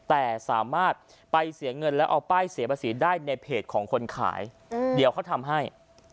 แต่สามารถไปเสียเงินแล้วเอาป้ายเสียภาษีได้ในเพจของคนขายเดี๋ยวเขาทำให้